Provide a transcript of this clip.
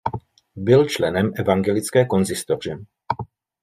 Byl členem evangelické konzistoře.